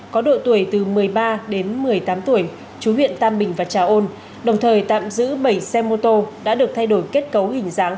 có độ tuổi từ một mươi ba đến một mươi tám tuổi chú huyện tam bình và trà ôn đồng thời tạm giữ bảy xe mô tô đã được thay đổi kết cấu hình dáng